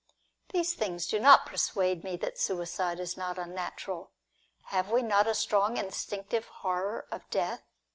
These things do not persuade me that suicide is not unnatural. Have we not a strong instinctive horror of death